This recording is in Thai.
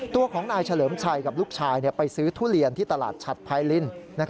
ตัวของนายเฉลิมชัยกับลูกชายไปซื้อทุเรียนที่ตลาดฉัดไพริน